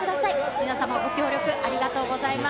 皆様、ご協力ありがとうございます。